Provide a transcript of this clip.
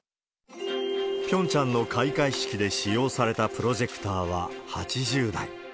ピョンチャンの開会式で使用されたプロジェクターは８０台。